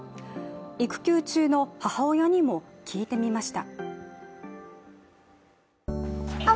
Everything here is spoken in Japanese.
育休中の母親にも聞いてみました。